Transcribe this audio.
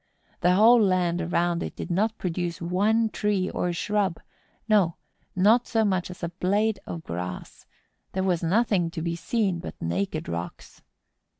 The whole land around it did not produce one tree or shrub; no, not so much as a blade of grass; there was nothing to be seen but naked rocks.